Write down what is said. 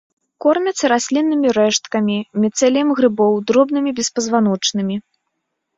Кормяцца расліннымі рэшткамі, міцэліем грыбоў, дробнымі беспазваночнымі.